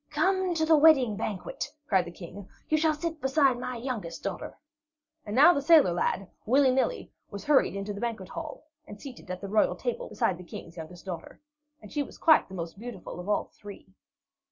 "Come to the wedding banquet," cried the King. "You shall sit beside my youngest daughter." And now the sailor lad, willy nilly, was hurried into the banquet hall, and seated at the royal table beside the King's youngest daughter. And she was quite the most beautiful of all the three.